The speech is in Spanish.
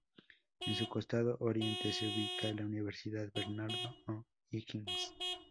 En su costado oriente, se ubica la Universidad Bernardo O'Higgins.